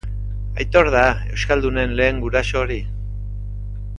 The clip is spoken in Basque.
Aitor da euskaldunen lehen guraso hori.